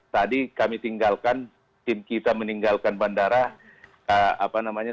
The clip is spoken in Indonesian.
tadi kami tinggalkan tim kita meninggalkan bandara